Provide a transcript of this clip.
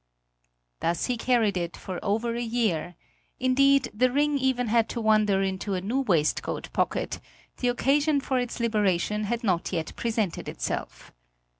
Thus he carried it for over a year indeed, the ring even had to wander into a new waistcoat pocket; the occasion for its liberation had not yet presented itself.